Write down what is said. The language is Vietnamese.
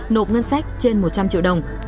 nộp ngân sách trên một trăm linh triệu đồng